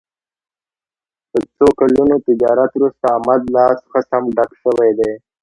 له څو کلونو تجارت ورسته د احمد لاس ښه سم ډک شوی دی.